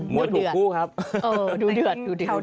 วยถูกคู่ครับดูเดือดดูดิ